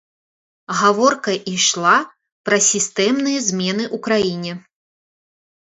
Гаворка ішла пра сістэмныя змены ў краіне.